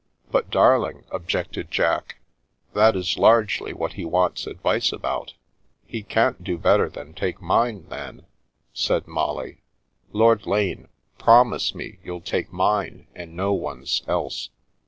" "But, darling," objected Jack, "that is largely what he wants advice about." " He can't do better than take mine, then," said Molly. " Lord Lane, promise me you'll take mine and no one's else."